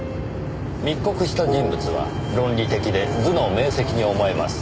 密告した人物は論理的で頭脳明晰に思えます。